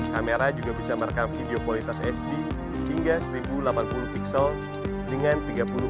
kamera juga bisa merekam video kualitas hd hingga seribu delapan puluh pixel dengan tiga puluh